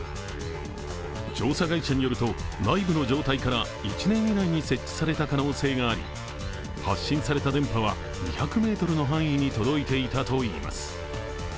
調査会社によると内部の状態から１年以内に設置された可能性があり、発信された電波は２００ｍの範囲に届いていたといいます。